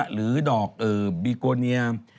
หรือดอกบีโกเนียม